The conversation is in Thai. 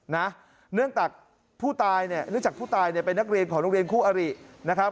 เนื่องจากผู้ตายเนี่ยเป็นนักเรียนของนักเรียนคู่อารินะครับ